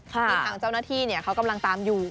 ทางเจ้าหน้าที่เขากำลังตามอยู่